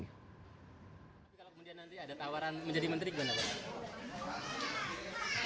tapi kalau kemudian nanti ada tawaran menjadi menteri gimana pak